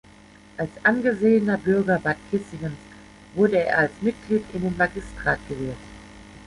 Als angesehener Bürger Bad Kissingens wurde er als Mitglied in den Magistrat gewählt.